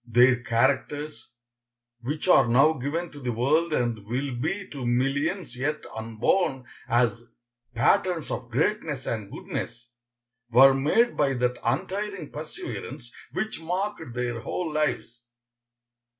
Their characters, which are now given to the world and will be to millions yet unborn as patterns of greatness and goodness, were made by that untiring perseverance which marked their whole lives.